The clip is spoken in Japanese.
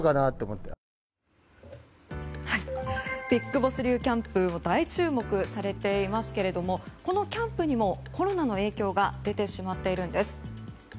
ビッグボス流キャンプも大注目されていますけれどもこのキャンプにもコロナの影響が出てしまっているんです。